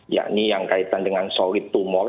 yakni yang kaitan dengan solid tumor